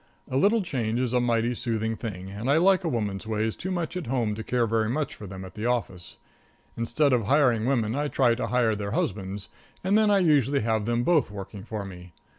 A little change is a mighty soothing thing, and I like a woman's ways too much at home to care very much for them at the office. Instead of hiring women, I try to hire their husbands, and then I usually have them both working for me.